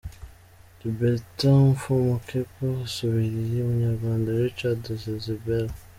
Liberat Mpfumukeko asubiriye umunyarwanda Richard Sezibera.